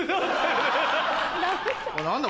何だ？